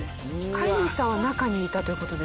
飼い主さんは中にいたという事ですよね。